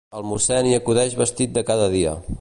El mossèn hi acudeix vestit de cada dia.